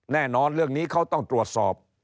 แน่นอนเรื่องนี้เขาต้องตรวจสอบ